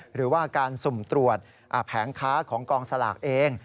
หรือว่าการสุ่มตรวจแผงค้าของกองสลากเอง